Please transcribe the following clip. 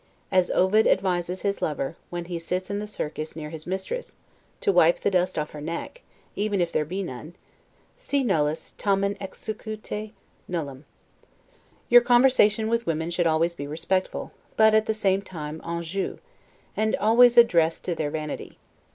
As Ovid advises his lover, when he sits in the Circus near his mistress, to wipe the dust off her neck, even if there be none: 'Si nullus, tamen excute nullum'. Your conversation with women should always be respectful; but, at the same time, enjoue, and always addressed to their vanity.